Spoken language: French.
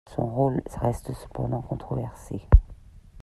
Son rôle reste cependant controversé.